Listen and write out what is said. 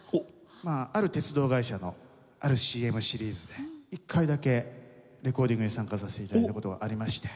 ある鉄道会社のあるＣＭシリーズで１回だけレコーディングに参加させて頂いた事がありまして。